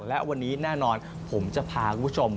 และวันนี้แน่นอนผมจะพาคุณผู้ชม